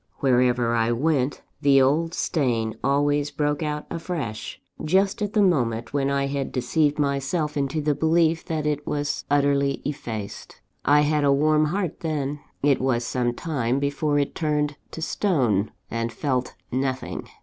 Wherever I went, the old stain always broke out afresh, just at the moment when I had deceived myself into the belief that it was utterly effaced. I had a warm heart then it was some time before it turned to stone, and felt nothing.